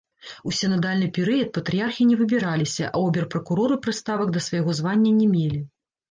У сінадальны перыяд патрыярхі не выбіраліся, а обер-пракуроры прыставак да свайго звання не мелі.